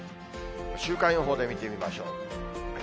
週間予報で見てみましょう。